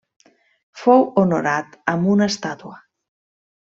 Fou honorat amb una estàtua.